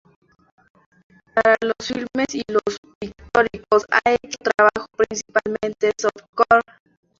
Para los filmes y los pictóricos ha hecho trabajo principalmente softcore.